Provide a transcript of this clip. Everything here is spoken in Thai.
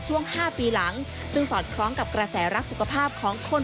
ช่วง๕ปีหลังซึ่งสอดคล้องกับกระแสรักสุขภาพของคน